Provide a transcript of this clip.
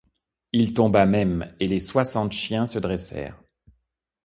Il tomba même et les soixante chiens se dressèrent.